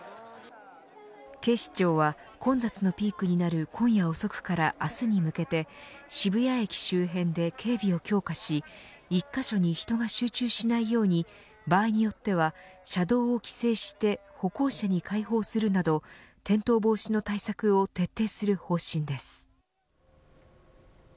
警視庁は混雑のピークになる今夜遅くから明日に向けて渋谷駅周辺で警備を強化し一カ所に人が集中しないように場合によっては車道を規制して歩行者に開放するなど転倒防止の対策を徹底する方針です。